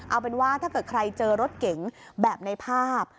เอาเป็นว่าถ้าเกิดใครเจอรถเก๋งแบบในภาพ